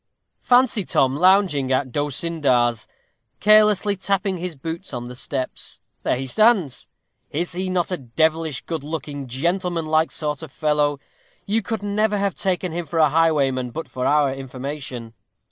Fancy Tom lounging at D'Osyndar's, carelessly tapping his boots on the steps; there he stands! Is he not a devilish good looking, gentlemanlike sort of fellow? You could never have taken him for a highwayman but for our information.